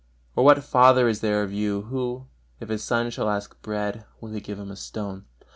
Or what father is there of you, who, if his son shall ask bread, will he give him a stone?